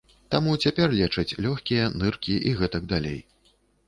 Таму цяпер лечаць лёгкія, ныркі і гэтак далей.